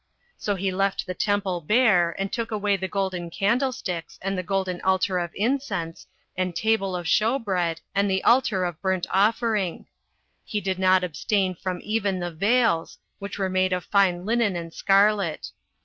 So he left the temple bare, and took away the golden candlesticks, and the golden altar [of incense], and table [of shew bread], and the altar [of burnt offering]; and did not abstain from even the veils, which were made of fine linen and scarlet.